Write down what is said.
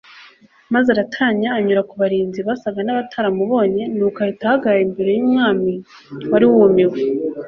maze aratanya anyura ku barinzi basaga nabataramubonye nuko ahita ahagarara imbere yumwami wari wumiwe